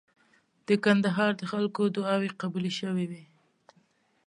د کندهار د خلکو دعاوي قبولې شوې وې.